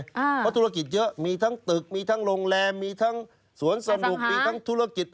เพราะธุรกิจเยอะมีทั้งตึกมีทั้งโรงแรมมีทั้งสวนสนุกมีทั้งธุรกิจ